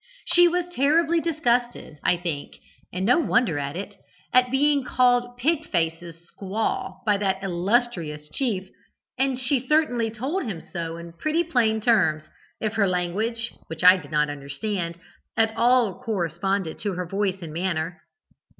She was terribly disgusted, I think (and no wonder at it) at being called Pig face's squaw by that illustrious chief, and she certainly told him so in pretty plain terms, if her language (which I did not understand) at all corresponded to her voice and manner.